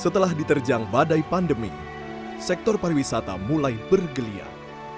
setelah diterjang badai pandemi sektor pariwisata mulai bergeliat